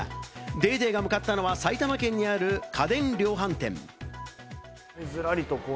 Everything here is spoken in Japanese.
『ＤａｙＤａｙ．』が向かったのは埼玉県にある家電量販店。